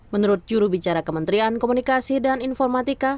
menurut juru bicara kementerian komunikasi dan informatika